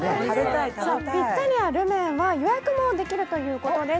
ピッツェリアルメンは予約もできるということです。